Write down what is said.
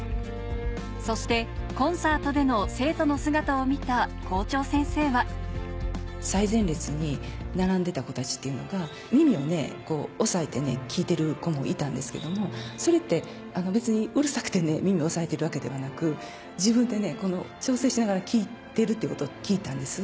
そしてコンサートでの生徒の姿を見た校長先生は最前列に並んでた子たちっていうのが耳を押さえて聞いてる子もいたんですけどもそれって別にうるさくて耳を押さえてるわけではなく自分で調整しながら聞いてるってことを聞いたんです。